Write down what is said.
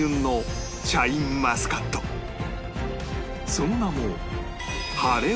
その名も